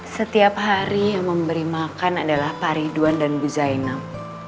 setiap hari yang memberi makan adalah pak ridwan dan bu zainal